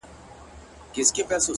زه!